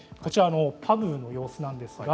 パブの様子です。